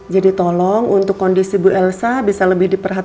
jadi tolong untuk kondisi bu elsa bisa diberikan kepadamu